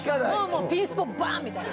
もうピンスポバン！みたいな。